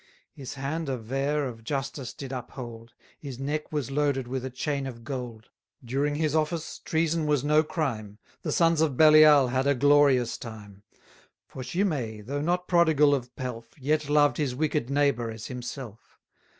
His hand a vare of justice did uphold; His neck was loaded with a chain of gold. During his office treason was no crime; The sons of Belial had a glorious time: For Shimei, though not prodigal of pelf, Yet loved his wicked neighbour as himself.